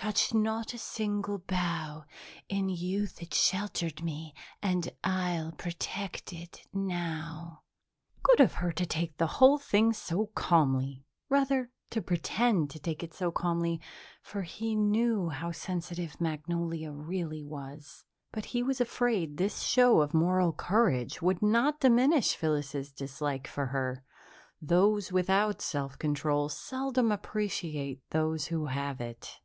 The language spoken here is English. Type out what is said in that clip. Touch not a single bough! In youth it sheltered me and I'll protect it now!'" Good of her to take the whole thing so calmly rather, to pretend to take it so calmly, for he knew how sensitive Magnolia really was but he was afraid this show of moral courage would not diminish Phyllis's dislike for her; those without self control seldom appreciate those who have it.